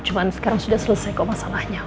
cuma sekarang sudah selesai kok masalahnya